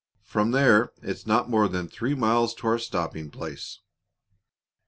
"From there, it's not more than three miles to our stopping place."